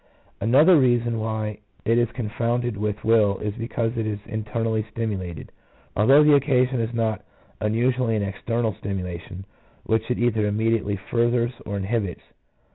Another reason why it is confounded with will is because it is internally stimulated, although the occasion is not unusually an external stimulation, which it either immediately furthers or inhibits.